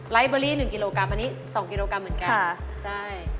ไลฟ์เบอร์รี่๑กิโลกรัมอันนี้๒กิโลกรัมเหมือนกัน